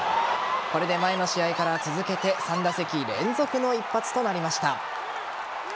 これで前の試合から続けて３打席連続の一発となりました。